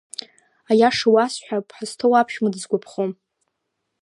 Аиаша уасҳәап, ҳазҭоу аԥшәма дысгәаԥхом.